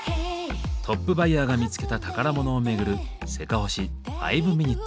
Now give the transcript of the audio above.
トップバイヤーが見つけた宝物を巡る「せかほし５ｍｉｎ．」。